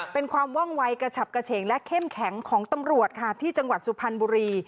เป็นความว่องวัยกระฉับกระเฉงและเข้มแข็งของตำรวจค่ะที่จังหวัดสุพรรณบุรี